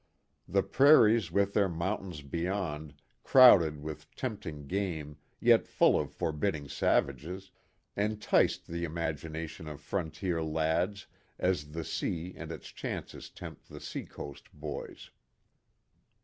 The prairies with their mountains beyond crowded with tempting game yet full of forbid ding savages, enticed the imagination of frontier lads as the sea and its chances tempt the sea coast boys.